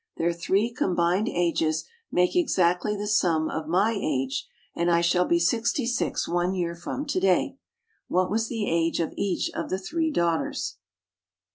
Their three combined ages make exactly the sum of my age, and I shall be sixty six one year from to day." What was the age of each of the three daughters?